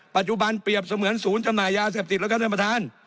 เปรียบเสมือนศูนย์จำหน่ายยาเสพติดแล้วครับท่านประธาน